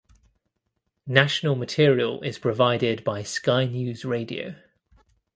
National material is provided by Sky News Radio.